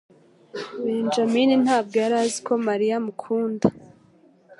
Benjamin ntabwo yari azi ko Mariya amukunda.